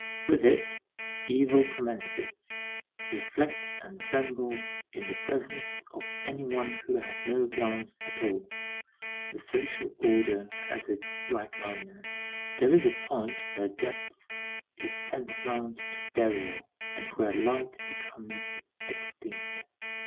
With it, evil commences. Reflect and tremble in the presence of any one who has no glance at all. The social order has its black miners. There is a point where depth is tantamount to burial, and where light becomes extinct.